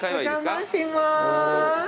お邪魔します。